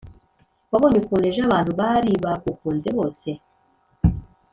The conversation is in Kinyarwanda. wabonye ukuntu ejo abantu baribagukunze bose.?"